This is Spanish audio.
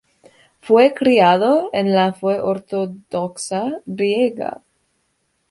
Fue criado en la fe ortodoxa griega.